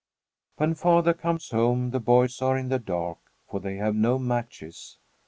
When father comes home, the boys are in the dark, for they have no matches.